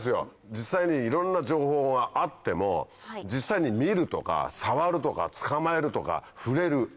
実際にいろんな情報があっても実際に見るとか触るとか捕まえるとか触れる。